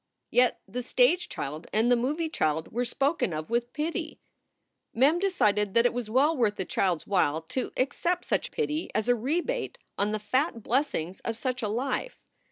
Yet the stage child and the movie child were spoken of with pity ! Mem decided that it was well worth a child s while to ac cept such pity as a rebate on the fat blessings of such a life.